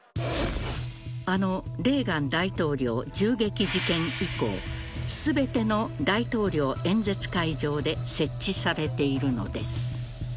あのレーガン大統領銃撃事件以降全ての大統領演説会場で設置されているのです。